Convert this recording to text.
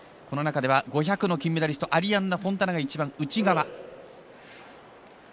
この中では５００の金メダリストアリアンナ・フォンタナが一番内側。